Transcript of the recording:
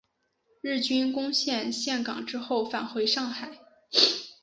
日军攻陷陷港之后返回上海。